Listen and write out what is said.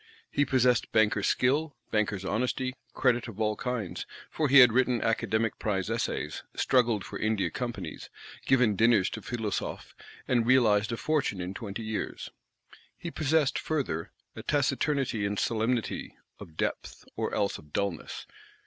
He possessed banker's skill, banker's honesty; credit of all kinds, for he had written Academic Prize Essays, struggled for India Companies, given dinners to Philosophes, and "realised a fortune in twenty years." He possessed, further, a taciturnity and solemnity; of depth, or else of dulness.